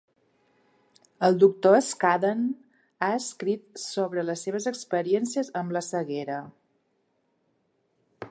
El doctor Scadden ha escrit sobre les seves experiències amb la ceguera.